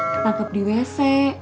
ketangkep di wc